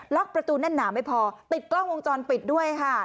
ประตูแน่นหนาไม่พอติดกล้องวงจรปิดด้วยค่ะ